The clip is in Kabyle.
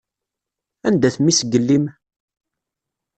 Anda-t mmi-s n yelli-m?